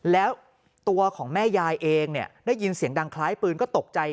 แล้วตัวของแม่ยายเองได้ยินเสียงดังคล้ายปืนก็ตกใจ